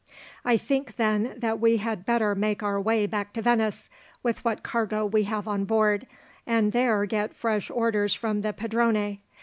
"I think, then, that we had better make our way back to Venice with what cargo we have on board, and there get fresh orders from the padrone.